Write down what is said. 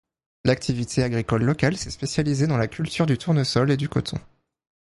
L’activité agricole locale s’est spécialisée dans la culture du tournesol et du coton.